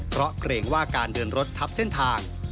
เพราะเกรงว่าการเดินรถทับเส้นทาง